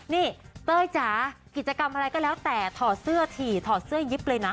นี่เต้ยจ๋ากิจกรรมอะไรก็แล้วแต่ถอดเสื้อถี่ถอดเสื้อยิบเลยนะ